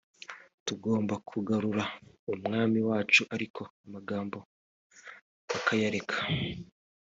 tugomba kugarura umwami wacu ariko amagambo bakayareka